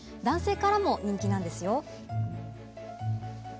男性からも人気なんですよ。